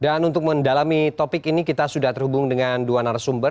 dan untuk mendalami topik ini kita sudah terhubung dengan dua narasumber